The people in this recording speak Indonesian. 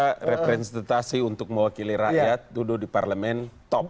saya jawa barat lima saya kira representasi untuk mewakili rakyat duduk di parlemen top